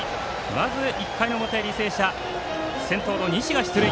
まず１回表、履正社先頭の西が出塁。